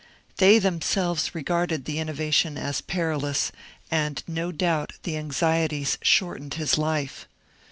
They themselves regarded the innovation as perilous, and no doubt the anxieties shortened his life.